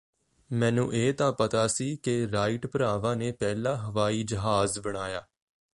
ਮੈਨੂੰ ਇਹ ਤਾਂ ਪਤਾ ਸੀ ਕਿ ਰਾਈਟ ਭਰਾਵਾਂ ਨੇ ਪਹਿਲਾ ਹਵਾਈ ਜਹਾਜ਼ ਬਣਾਇਆ